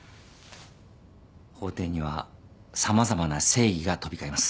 法廷には様々な正義が飛び交います。